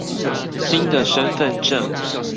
新的身份証